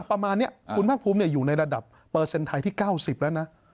ประมาณนี้คุณภาคภูมิอยู่ในระดับเปอร์เซ็นต์ไทยที่๙๐แล้วนะ